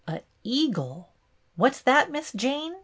A eagle !" "What's that. Miss Jane?"